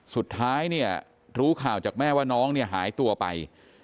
สุดท้ายรู้ข่าวจากแม่ว่าน้องหายตัวไป